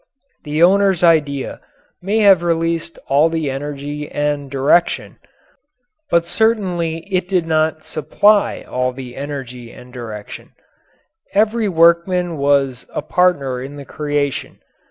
The owner's idea may have released all the energy and direction, but certainly it did not supply all the energy and direction. Every workman was a partner in the creation.